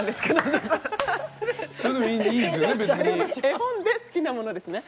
絵本で好きなものですね。